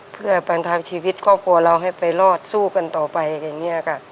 เพื่อปันทางชีวิตก็กลัวเราให้ไปรอดสู้กันต่อไปอย่างเงี้ยกับ